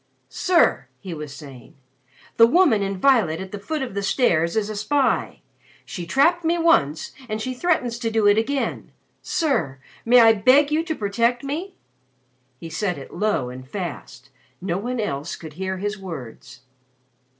"Sir," he was saying, "the woman in violet at the foot of the stairs is a spy. She trapped me once and she threatens to do it again. Sir, may I beg you to protect me?" He said it low and fast. No one else could hear his words.